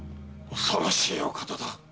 恐ろしいお方だ。